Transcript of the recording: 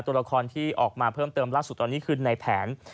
ตัวละครที่ออกมาเพิ่มเติมละสุทธิ์ตอนนี้คืนนี้ในแผน